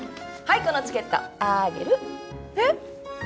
このチケットあげるえっ？